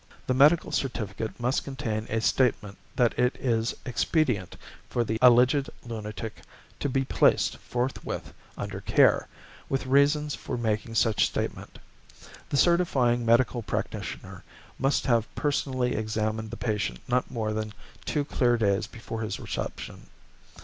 The medical certificate must contain a statement that it is expedient for the alleged lunatic to be placed forthwith under care, with reasons for making such statement. The certifying medical practitioner must have personally examined the patient not more than two clear days before his reception.